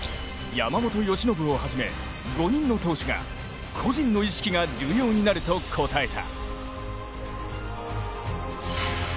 山本由伸をはじめ、５人の投手が個人の意識が重要になると答えた。